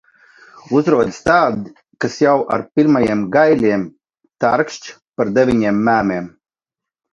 Uzrodas tādi, kas jau ar pirmajiem gaiļiem tarkšķ par deviņiem mēmiem.